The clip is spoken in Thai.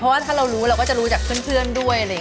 เพราะว่าถ้าเรารู้เราก็จะรู้จากเพื่อนด้วยอะไรอย่างนี้